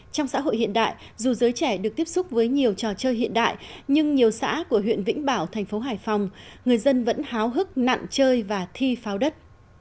trong xã hội hiện đại dù giới trẻ được tiếp xúc với nhiều trò chơi hiện đại nhưng nhiều xã của huyện vĩnh bảo thành phố hải phòng người dân vẫn háo hức nạn chơi và thi pháo đất